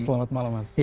selamat malam mas